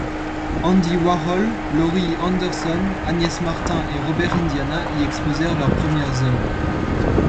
Andy Warhol, Laurie Anderson, Agnès Martin et Robert Indiana y exposèrent leurs premières œuvres.